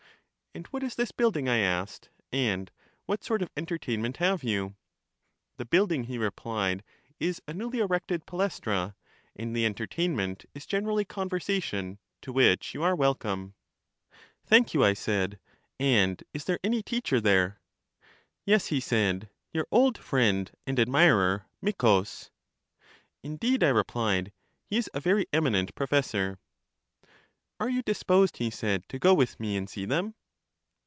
And what is this building, I asked ; and what sort of entertainment have you? The building, he replied, is a newly erected Palaes tra; and the entertainment is generally conversation, to which you are welcome. 49 60 LYSIS Thank you, I said; and is there any teacher there? Yes, he said, your old friend and admirer, Miccus. Indeed, I rephed ; he is a very eminent professor. Are you disposed, he said, to go with me and see them?